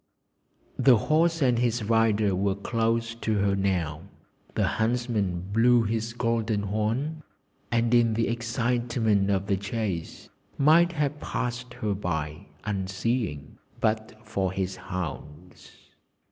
The horse and his rider were close to her now; the huntsman blew his golden horn, and in the excitement of the chase might have passed her by, unseeing, but for his hounds.